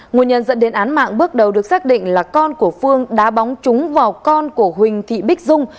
nguồn nhân dẫn đến án mạng bước đầu được xác định là con của phương đã bóng trúng vào con của huỳnh thị bích dung